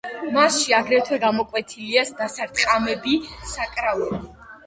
მასში აგრეთვე გამოკვეთილია დასარტყმელი საკრავები.